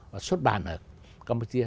và xuất bản ở campuchia